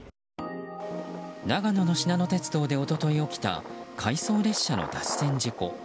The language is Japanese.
長野のしなの鉄道で一昨日起きた回送列車の脱線事故。